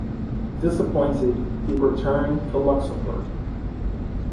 Disappointed, he returned to Luxembourg.